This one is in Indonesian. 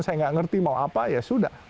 saya tidak mengerti mau apa ya sudah